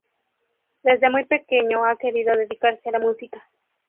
Desde muy pequeño ha querido dedicarse a la música.